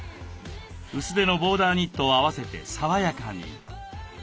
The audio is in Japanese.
薄手のボーダーニットを合わせて爽やかに。